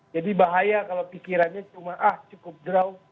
jadi bahaya kalau pikirannya cuma ah cukup draw